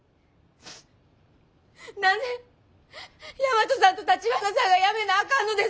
何で大和さんと橘さんがやめなあかんのですか！？